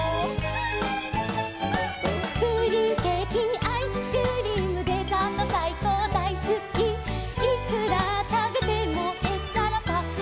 「プリンケーキにアイスクリーム」「デザートさいこうだいすき」「いくらたべてもへっちゃらぱくぱくのコケッコー」